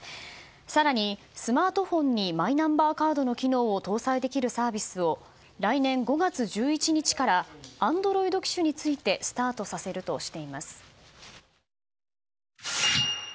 更に、スマートフォンにマイナンバーカードの機能を搭載できるサービスを来年５月１１日からＡｎｄｒｏｉｄ機種についてスタートさせるとしています。